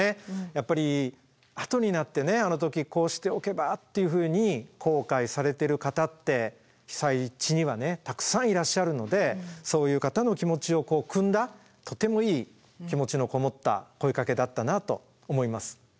やっぱり後になって「あの時こうしておけば」っていうふうに後悔されてる方って被災地にはたくさんいらっしゃるのでそういう方の気持ちをくんだとてもいい気持ちのこもった声かけだったなと思います。